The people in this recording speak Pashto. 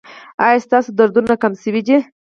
ایا ستاسو دردونه کم شوي دي؟